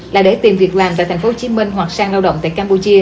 là để tìm việc làm tại tp hcm hoặc sang lạng sơn